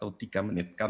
atau tiga menit